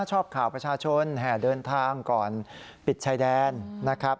ชอบข่าวประชาชนแห่เดินทางก่อนปิดชายแดนนะครับ